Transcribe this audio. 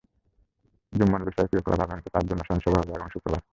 জুম্মন লুসাইয়ের প্রিয় ক্লাব আবাহনীতে তাঁর জন্য স্মরণসভা হবে আগামী শুক্রবার।